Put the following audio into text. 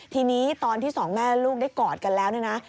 ทีนี้ตอนที่สองแม่ลูกได้กอดกันแล้วเนี่ยนะ